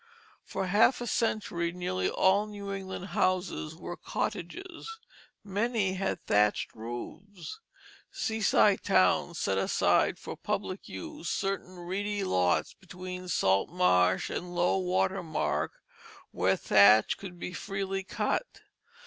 For half a century nearly all New England houses were cottages. Many had thatched roofs. Seaside towns set aside for public use certain reedy lots between salt marsh and low water mark, where thatch could be freely cut.